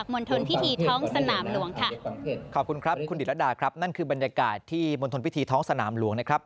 ขอบคุณครับคุณดิรัตดาครับนั่นคือบรรยากาศที่มณฑลพิธีท้องสนามหลวงนะครับ